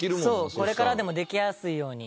そうこれからでもできやすいように。